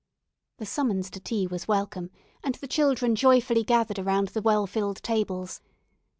The summons to tea was welcome, and the children joyfully gathered around the well filled tables.